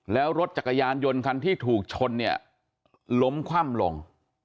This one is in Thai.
แล้วรถจักรยานยนต์คันที่ถูกชนเนี่ยล้มคว่ำลง